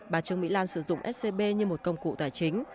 bà trương mỹ lan sử dụng scb như một công cụ tài chính